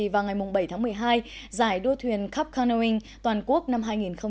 vào ngày bảy tháng một mươi hai giải đua thuyền cup canoeing toàn quốc năm hai nghìn hai mươi